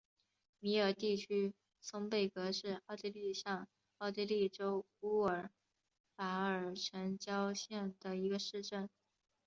米尔地区松贝格是奥地利上奥地利州乌尔法尔城郊县的一个市镇。